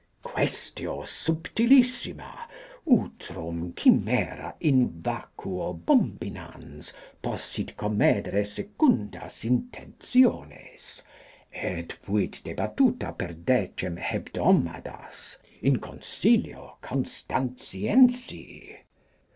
Quaestio subtilissima, utrum Chimaera in vacuo bonbinans possit comedere secundas intentiones; et fuit debatuta per decem hebdomadas in Consilio Constantiensi.